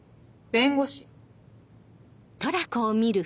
弁護士。